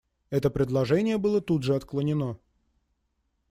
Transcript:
Это предложение было тут же отклонено.